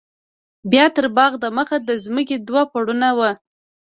بيا تر باغ د مخه د ځمکې دوه پوړونه وو.